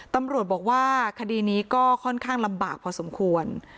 ตำรวจบอกว่าคดีนี้ก็ค่อนข้างลำบากพอสมควร